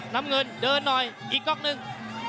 น้ำเงินเดินหน่อยอีกก๊อกหนึ่ง